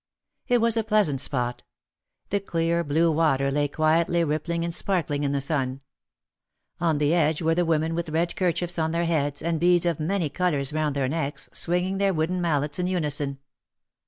It was a pleasant spot. The clear blue water lay quietly rippling and sparkling in the sun. On the edge were the women with red kerchiefs on their heads and beads of many colours around their necks, swinging their wooden mallets in unison.